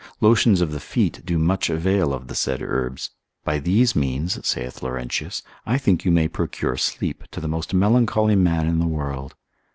Lotions of the feet do much avail of the said herbs: by these means, saith Laurentius, I think you may procure sleep to the most melancholy man in the world.